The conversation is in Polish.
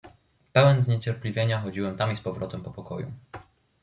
"Pełen zniecierpliwienia chodziłem tam i z powrotem po pokoju."